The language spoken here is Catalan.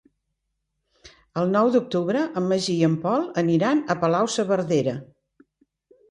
El nou d'octubre en Magí i en Pol aniran a Palau-saverdera.